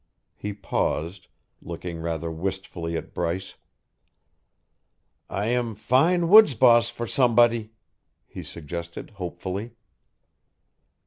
He paused, looking rather wistfully at Bryce. "I am fine woods boss for somebody," he suggested hopefully.